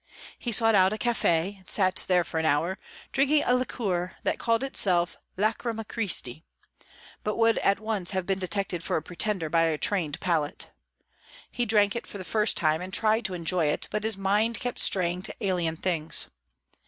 He sought out a caffe, and sat there for an hour, drinking a liquor that called itself lacryma Christi, but would at once have been detected for a pretender by a learned palate. He drank it for the first time, and tried to enjoy it, but his mind kept straying to alien things.